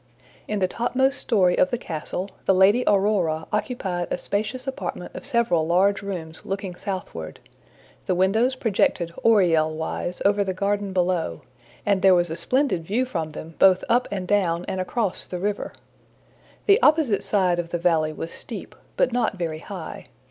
In the topmost story of the castle, the Lady Aurora occupied a spacious apartment of several large rooms looking southward. The windows projected oriel wise over the garden below, and there was a splendid view from them both up and down and across the river. The opposite side of the valley was steep, but not very high.